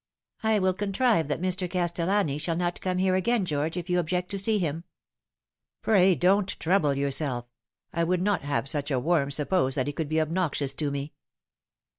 " I will contrive that Mr. Castellani shall not come here again, George, if you object to see him." " Pray don't trouble yourself. I would not have such a worm suppose that he could be obnoxious to me."